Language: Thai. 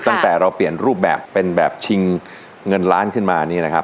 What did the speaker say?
ตั้งแต่เราเปลี่ยนรูปแบบเป็นแบบชิงเงินล้านขึ้นมานี่นะครับ